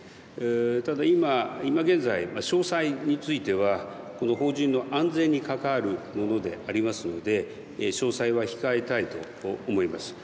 ただ今現在、詳細については邦人の安全に関わるものでありますので詳細は控えたいと思います。